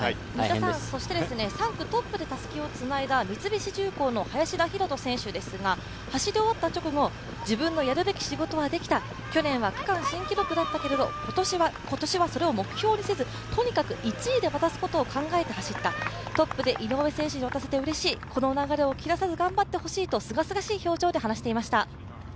そして３区トップでたすきをつないだ三菱重工の林田洋翔選手ですが走り終わった直後、自分のやるべき仕事はできた去年は区間新記録だったけれども、今年はそれを目標にせずとにかく１位で渡すことを考えて走った、トップで井上選手に渡せてうれしい、この流れを切らさず頑張ってほしいとすがすがしい表情で話していました。